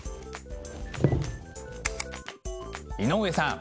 井上さん。